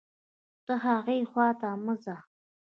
ته هاغې خوا ته مه ځه